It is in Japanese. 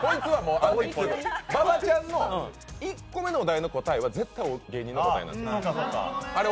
馬場ちゃんの１個目のお題の答えは絶対芸人の答えなんです。